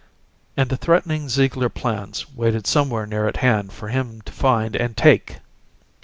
And the threatening Ziegler plans waited somewhere near at hand for him to find and take!